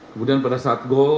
kemudian pada saat gol